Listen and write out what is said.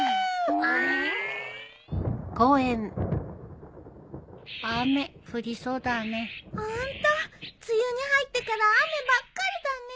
ホント梅雨に入ってから雨ばっかりだね。